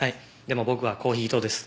でも僕はコーヒー党です。